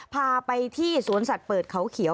พาไปที่สวนสัตว์เปิดเขาเขียว